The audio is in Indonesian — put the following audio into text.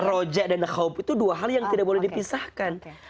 roja dan khawb itu dua hal yang tidak boleh dipisahkan